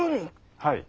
はい。